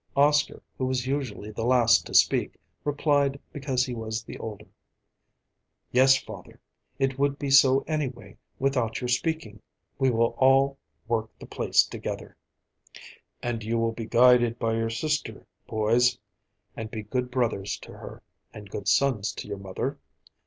Oscar, who was usually the last to speak, replied because he was the older, "Yes, father. It would be so anyway, without your speaking. We will all work the place together." "And you will be guided by your sister, boys, and be good brothers to her, and good sons to your mother?